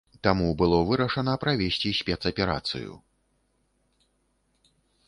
Таму было вырашана правесці спецаперацыю.